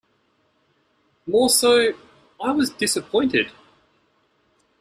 More so, I was disappointed.